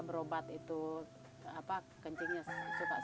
buat mudah mudahan insya allah buat